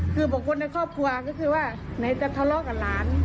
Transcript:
คือบุคคลในครอบครัวก็คือว่าไหนจะทะเลาะกับหลาน